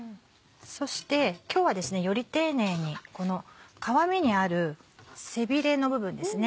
そして今日はより丁寧にこの皮目にある背ビレの部分ですね